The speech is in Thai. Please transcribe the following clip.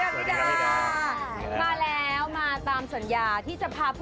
สวัสดีครับ